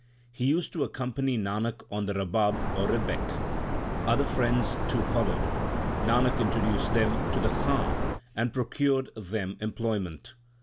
He used to accompany Nanak on the rabab, or rebeck. 1 Other friends too followed. Nanak introduced them to the Khan and procured them employment.